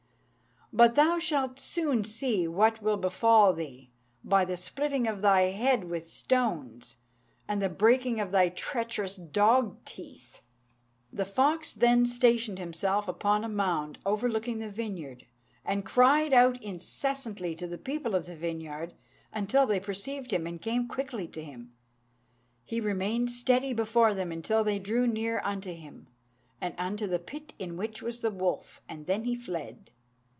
But thou shalt soon see what will befall thee, by the splitting of thy head with stones, and the breaking of thy treacherous dog teeth." The fox then stationed himself upon a mound overlooking the vineyard, and cried out incessantly to the people of the vineyard until they perceived him and came quickly to him. He remained steady before them until they drew near unto him, and unto the pit in which was the wolf, and then he fled.